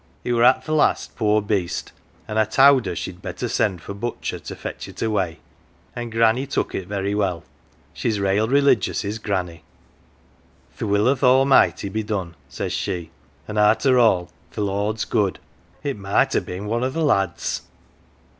It were at th' last, poor beast, an 1 1 towd her she'd best send for butcher to fetch it away. An' Granny took it very well she's rale religious, is Granny. ' Th' will o' th' A'mighty be done !' says she, ' an' arter all th' Lord's good. It might ha' been one o' th' lads